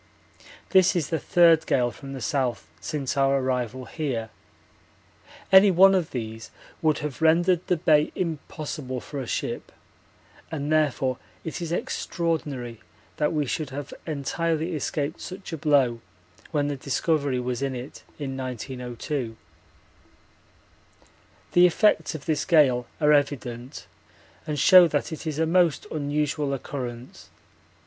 This is the third gale from the south since our arrival here. Any one of these would have rendered the Bay impossible for a ship, and therefore it is extraordinary that we should have entirely escaped such a blow when the Discovery was in it in 1902. The effects of this gale are evident and show that it is a most unusual occurrence.